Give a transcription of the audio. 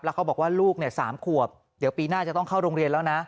เขาบอกว่าลูก๓ขวบเดี๋ยวปีหน้าจะต้องเข้าโรงเรียนแล้วนะ